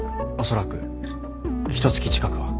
恐らくひとつき近くは。